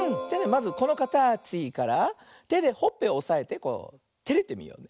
まずこのかたちからてでほっぺをおさえてテレてみよう。